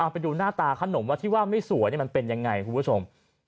ไปดูหน้าตาขนมว่าที่ว่าไม่สวยมันเป็นยังไงคุณผู้ชม